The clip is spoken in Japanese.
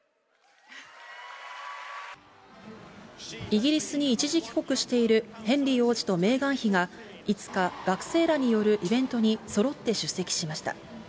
イギリスに一時帰国しているヘンリー王子とメーガン妃が、５日、学生らによるイベントにそろって出席しました。